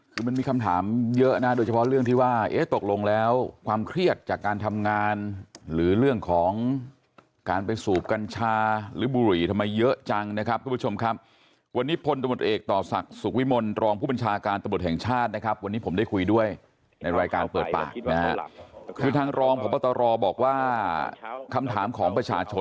คือมันมีคำถามเยอะนะโดยเฉพาะเรื่องที่ว่าเอ๊ะตกลงแล้วความเครียดจากการทำงานหรือเรื่องของการไปสูบกัญชาหรือบุหรี่ทำไมเยอะจังนะครับทุกผู้ชมครับวันนี้พลตำรวจเอกต่อศักดิ์สุขวิมลรองผู้บัญชาการตำรวจแห่งชาตินะครับวันนี้ผมได้คุยด้วยในรายการเปิดปากนะฮะคือทางรองพบตรบอกว่าคำถามของประชาชน